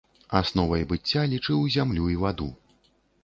Асновай быцця лічыў зямлю і ваду.